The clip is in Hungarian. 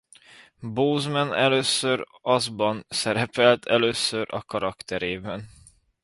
Boseman először az ban szerepelt először a karakterében.